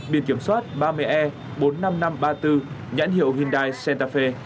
biệt kiểm soát ba mươi e bốn mươi năm nghìn năm trăm ba mươi bốn nhãn hiệu hyundai santa fe